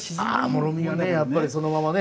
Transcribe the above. もろみがねやっぱりそのままね。